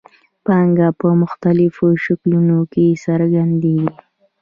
پانګه په مختلفو شکلونو کې څرګندېږي